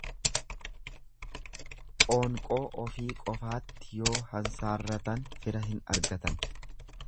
Qoonqoo ofii qofaatti yoo hansaarratan fira hin argatan.